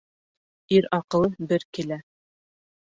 Ир аҡылы бер килә.